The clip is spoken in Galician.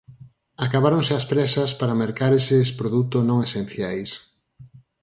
Acabáronse as présas para mercar eses produto non esenciais.